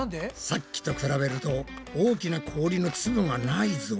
さっきと比べると大きな氷のつぶがないぞ。